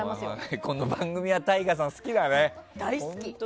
この番組はＴＡＩＧＡさん好きだね。